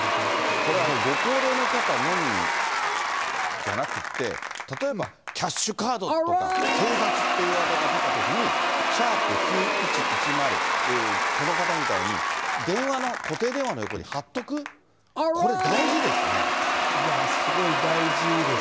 これ、ご高齢の方のみじゃなくって、例えばキャッシュカードとか、警察っていうワードが出たときに、＃９１１０、この方みたいに、電話の、固定電話の横に貼っておく、いや、すごい大事です。